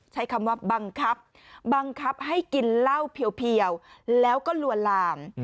ใช้คำว่าบังคับบังคับให้กินเหล้าเพียวแล้วก็ลวนลาม